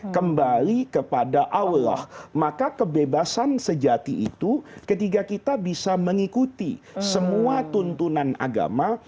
kembali kepada allah maka kebebasan sejati itu ketika kita bisa mengikuti semua tuntunan agama